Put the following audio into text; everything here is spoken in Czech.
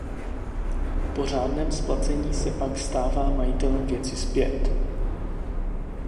Po řádném splacení se pak stává majitelem věci zpět.